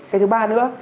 cái thứ ba nữa